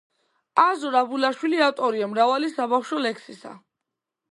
ანზორ აბულაშვილი ავტორია მრავალი საბავშვო ლექსისა.